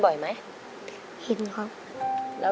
เดี๋ยว